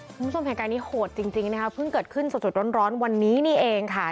คุณผู้ชมแห่งการนี้โหดจริงจริงนะคะเพิ่งเกิดขึ้นสดสดร้อนร้อนวันนี้นี่เองค่ะ